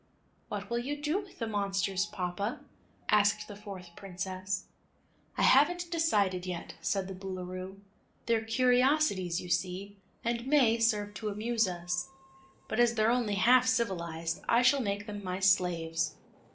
"What will you do with the monsters, papa?" asked the fourth Princess. "I haven't decided yet," said the Boolooroo. "They're curiosities, you see, and may serve to amuse us. But as they're only half civilized I shall make them my slaves."